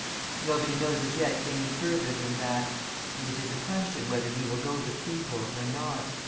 Nobody knows as yet any further than that, and it is a question whether he will go to Fribourg or not.